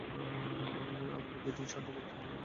আমাকে যদি সাহায্য করো, তাহলে তোমাকে অর্ধেক দেব।